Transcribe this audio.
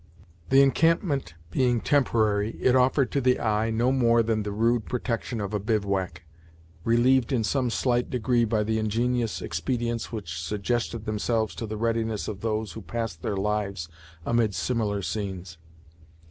The encampment being temporary, it offered to the eye no more than the rude protection of a bivouac, relieved in some slight degree by the ingenious expedients which suggested themselves to the readiness of those who passed their lives amid similar scenes.